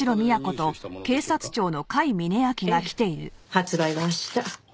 発売は明日。